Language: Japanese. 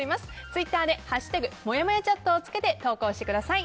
ツイッターで「＃もやもやチャット」をつけて投稿してください。